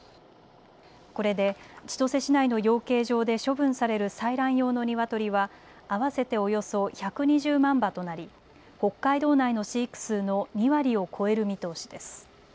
これで千歳市内の養鶏場で処分される採卵用のニワトリは合わせておよそ１２０万羽となり北海道内の飼育数の２割を超える見通しです。